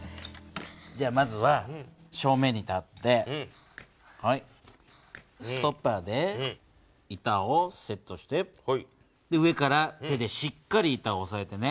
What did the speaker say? じゃあまずは正面に立ってストッパーで板をセットして上から手でしっかり板をおさえてね。